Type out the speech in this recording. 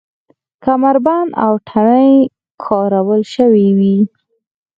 کمربند او تڼۍ کارول شوې وې.